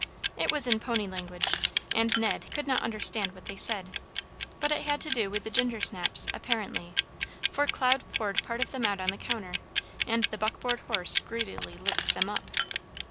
It was in pony language, and Ned could not understand what they said; but it had to do with the gingersnaps, apparently, for Cloud poured part of them out on the counter, and the buckboard horse greedily licked them up.